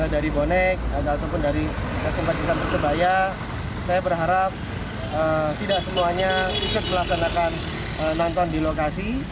dari bonek ataupun dari simpatisan persebaya saya berharap tidak semuanya ikut melaksanakan nonton di lokasi